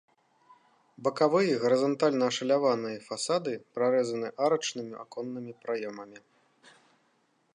Бакавыя гарызантальна ашаляваныя фасады прарэзаны арачнымі аконнымі праёмамі.